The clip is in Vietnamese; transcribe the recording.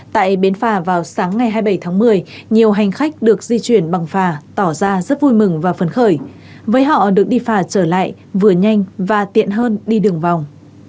tại bến phà vào sáng ngày hai mươi bảy tháng một mươi nhiều hành khách được di chuyển bằng phà tỏ ra rất vui mừng và phấn khởi với họ được đi phà trở lại vừa nhanh và tiện hơn đi đường vòng